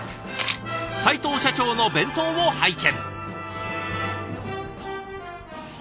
齋藤社長の弁当を拝見。